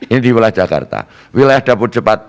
ini di wilayah jakarta wilayah dapur cepat